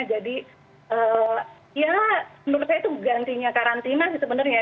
jadi ya menurut saya itu gantinya karantina sih sebenarnya